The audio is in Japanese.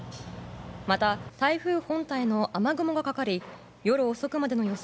また、台風本体の雨雲がかかり夜遅くまでの予想